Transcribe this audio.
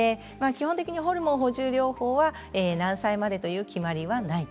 基本的にホルモン補充療法は何歳までっていう決まりはない。